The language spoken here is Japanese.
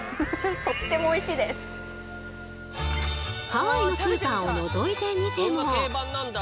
ハワイのスーパーをのぞいてみても。